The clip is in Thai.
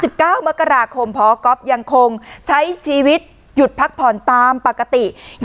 เก้ามกราคมพอก๊อฟยังคงใช้ชีวิตหยุดพักผ่อนตามปกติ